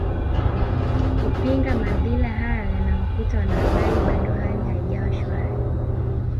kupinga madhila hayo yanayowakuta wanahabari bado hali haijawa shwari